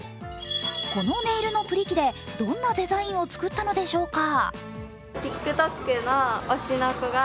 このネイルのプリ機でどんなデザインを作ったのでしょうか。